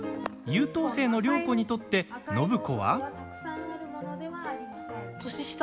優等生の良子にとって暢子は？